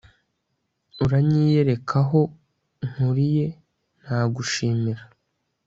uranyiyerekaaho nkuriye, nagushimira